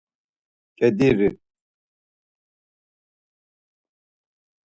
Ǩediri.